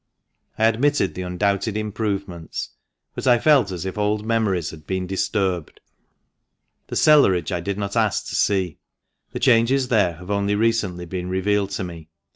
I admitted the undoubted improvements, but I felt as if old memories had been disturbed. The cellarage I did not ask to see. The changes there have only recently been revealed to me.